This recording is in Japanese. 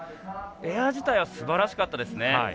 エア自体はすばらしかったですね。